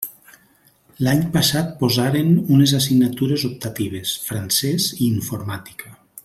L'any passat posaren unes assignatures optatives: francés i informàtica.